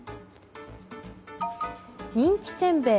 人気せんべい